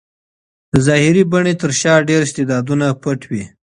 د ظاهري بڼې تر شا ډېر استعدادونه پټ وي.